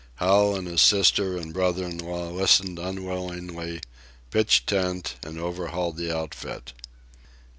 Hal and his sister and brother in law listened unwillingly, pitched tent, and overhauled the outfit.